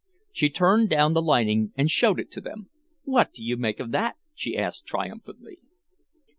She turned down the lining and showed it to them. "What do you make of that?" she asked triumphantly.